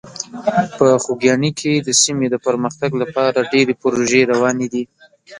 په خوږیاڼي کې د سیمې د پرمختګ لپاره ډېرې پروژې روانې دي.